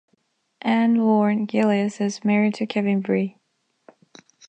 Anne Lorne Gillies is married to Kevin Bree.